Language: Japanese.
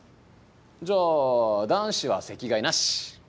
じゃあ男子は席替えなし！